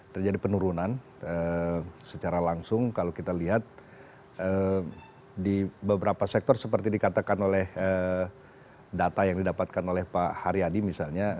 terjadi penurunan secara langsung kalau kita lihat di beberapa sektor seperti dikatakan oleh data yang didapatkan oleh pak haryadi misalnya